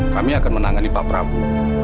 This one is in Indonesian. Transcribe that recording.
kami akan menangani pak prabowo